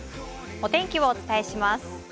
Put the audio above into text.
お天気をお伝えします。